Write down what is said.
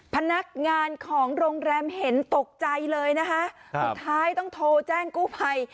พนักงานของโรงแรมเห็นตกใจเลยนะคะสุดท้ายต้องโทรแจ้งกู้ภัย